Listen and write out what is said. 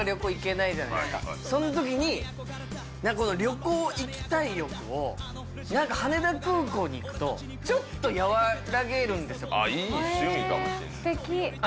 はいはいその時に旅行行きたい欲を何か羽田空港に行くとちょっとやわらげるんですよああ